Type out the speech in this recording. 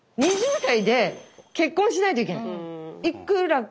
２０代で結婚しないといけない。